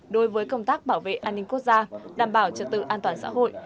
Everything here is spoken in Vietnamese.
đối với công tác bảo vệ an ninh quốc gia đảm bảo trật tự an toàn xã hội